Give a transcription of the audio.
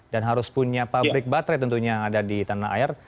dan harus punya pabrik baterai tentunya yang ada di tanah air